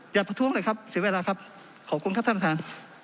ประท้วงเลยครับเสียเวลาครับขอบคุณครับท่านประธาน